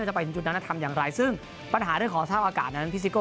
ดให้ดูแลเรื่องของสุขภาพ